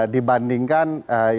dibandingkan yang sebelumnya